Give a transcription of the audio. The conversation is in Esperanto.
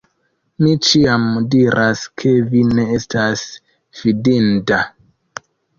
Mi ĉiam diras, ke vi ne estas fidinda!